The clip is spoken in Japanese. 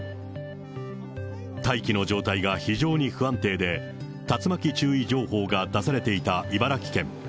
大気の状態が非常に不安定で、竜巻注意情報が出されていた茨城県。